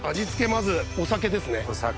まずお酒ですね。